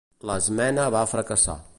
L'esmena va fracassar.